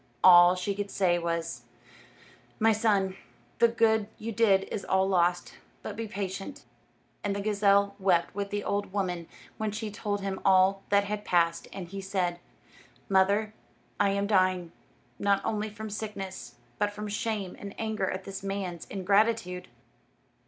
All she could say was, "My son, the good you did is all lost; but be patient." And the gazelle wept with the old woman when she told him all that had passed, and he said, "Mother, I am dying, not only from sickness, but from shame and anger at this man's ingratitude."